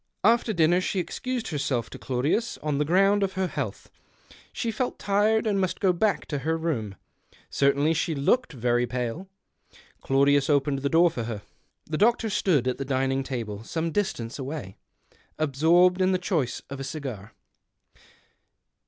After dinner she excused herself to Claudius on the ground of her health. She felt tired, and must go back to her room ; certainly she looked very pale. Claudius opened the door for her. The doctor stood at the dining table, some distance away, absorbed in the choice of a cigar.